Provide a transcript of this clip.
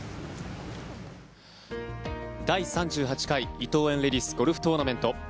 第３８回伊藤園レディスゴルフトーナメント。